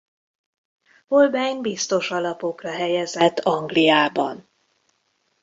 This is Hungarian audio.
Holbein biztos alapokra helyezett Angliában.